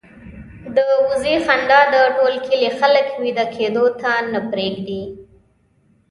د وزې خندا د ټول کلي خلک وېده کېدو ته نه پرېږدي.